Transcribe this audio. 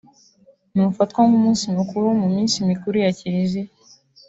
ntufatwa nk’umunsi mukuru mu minsi mikuru ya Kiliziya